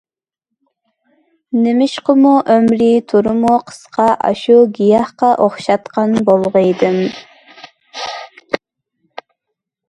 نېمىشقىمۇ ئۆمرى تورىمۇ قىسقا ئاشۇ گىياھقا ئوخشاتقان بولغىيدىم.